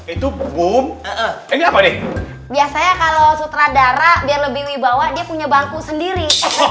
itu boom biasanya kalau sutradara biar lebih bawah dia punya bangku sendiri